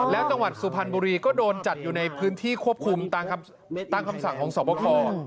แล้วจังหวัดสุพรรณบุรีก็โดนจัดอยู่ในพื้นที่ควบคุมตามคำสั่งของสอบคอ